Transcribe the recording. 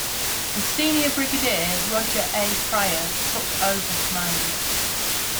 His senior brigadier Roger A. Pryor took over command.